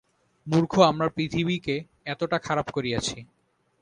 মূর্খ আমরা পৃথিবীকে এতটা খারাপ করিয়াছি।